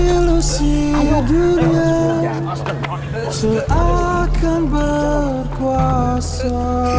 ilusi dunia seakan berkuasa